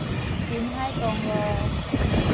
濱海公路